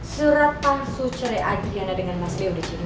surat palsu cerai adriana dengan mas lio udah jadi